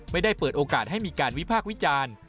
ไม่ได้เปิดโอกาสให้มีการวิพากษ์วิจารณ์